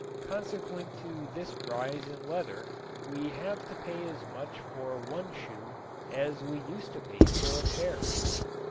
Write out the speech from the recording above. Consequent to this rise in leather we have to pay as much for one shoe as we used to pay for a pair.